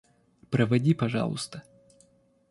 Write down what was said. Проводи, пожалуйста.